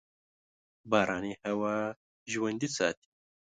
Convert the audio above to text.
باراني هوا ژوندي ساتي.